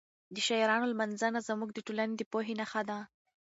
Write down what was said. د شاعرانو لمانځنه زموږ د ټولنې د پوهې نښه ده.